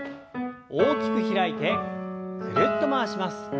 大きく開いてぐるっと回します。